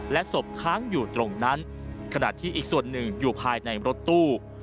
ศพค้างอยู่ตรงนั้นขณะที่อีกส่วนหนึ่งอยู่ภายในรถตู้